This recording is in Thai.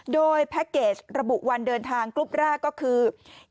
โดยแพ็คเกจระบุวันเดินทางกรุ๊ปแรกก็คือ